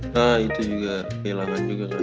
nah itu juga kehilangan juga kan